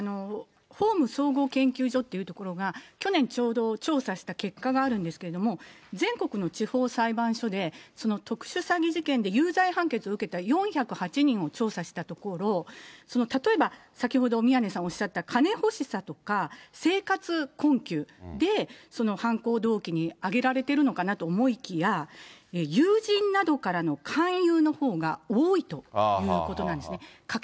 法務総合研究所っていうところが、去年、ちょうど調査した結果があるんですけれども、全国の地方裁判所で、特殊詐欺事件で有罪判決を受けた４０８人を調査したところ、例えば、先ほど、宮根さんおっしゃった金欲しさとか、生活困窮で犯行動機に挙げられてるのかなと思いきや、友人などからの勧誘のほうが多いということなんですね。